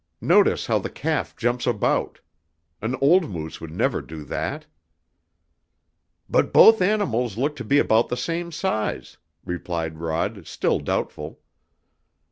Notice how the calf jumps about. An old moose would never do that." "But both animals look to be about the same size," replied Rod, still doubtful.